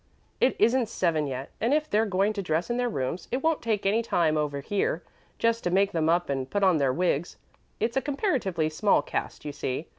"It isn't seven yet, and if they're going to dress in their rooms it won't take any time over here just to make them up and put on their wigs. It's a comparatively small cast, you see.